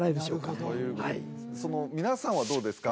なるほど皆さんはどうですか？